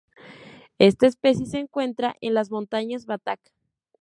Esta especie se encuentra en las montañas Batak.